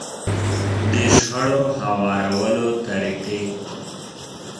د شخړو هوارولو طريقې.